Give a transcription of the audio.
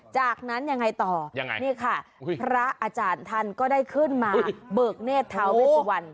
จากนั้นยังไงต่อยังไงนี่ค่ะพระอาจารย์ท่านก็ได้ขึ้นมาเบิกเนธทาเวสวัน